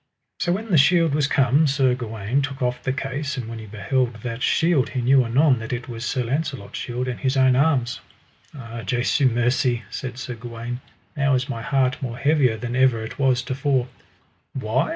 So when the shield was come, Sir Gawaine took off the case, and when he beheld that shield he knew anon that it was Sir Launcelot's shield, and his own arms. Ah Jesu mercy, said Sir Gawaine, now is my heart more heavier than ever it was to fore. Why?